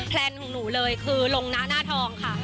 แลนของหนูเลยคือลงหน้าหน้าทองค่ะ